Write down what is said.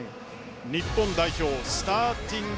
日本代表スターティング